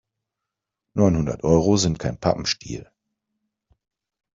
Neunhundert Euro sind kein Pappenstiel.